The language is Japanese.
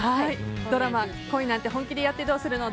ドラマ「恋なんて、本気でやってどうするの？」